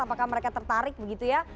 apakah mereka tertarik begitu ya